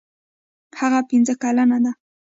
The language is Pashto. هغه پنځه کلنه ده.